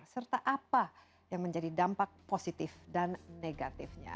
serta apa yang menjadi dampak positif dan negatifnya